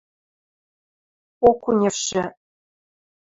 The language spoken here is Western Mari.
Окуневшы: